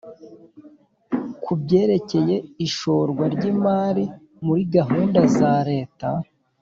ku byerekeye ishorwa ryimari muri gahunda zareta